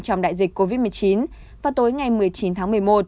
trong đại dịch covid một mươi chín vào tối ngày một mươi chín tháng một mươi một